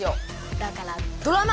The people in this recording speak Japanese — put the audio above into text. だからドラマ！